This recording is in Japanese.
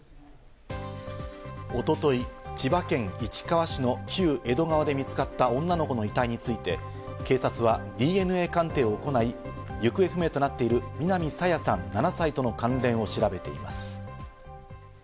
一昨日、千葉県市川市の旧江戸川で見つかった女の子の遺体について、警察はＤＮＡ鑑定を行い、行方不明となっている南朝芽さん、７歳との関連を調べています。